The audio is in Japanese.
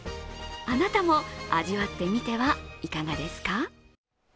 あなたも味わってみてはいかがですか？